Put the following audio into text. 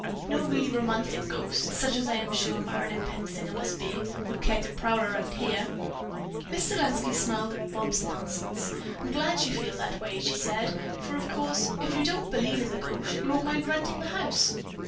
No really romantic ghost, such as I am sure Marilyn Pensinger must be, would care to prowl around here." Miss Selenski smiled at Bobs' nonsense. "I'm glad you feel that way," she said, "for, of course, if you don't believe in the ghost, you won't mind renting the house."